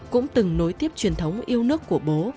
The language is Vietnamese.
cũng từng nối tiếp truyền thống yêu nước của bố